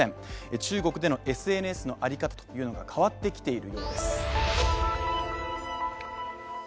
中国でのＳＮＳの在り方が変わってきているようです。